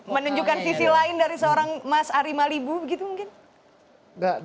menunjukkan visi lain dari seorang mas ari malibu begitu mungkin